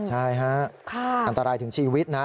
ใช่ฮะอันตรายถึงชีวิตนะ